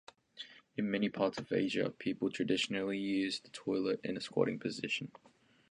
In many parts of Asia, people traditionally use the toilet in a squatting position.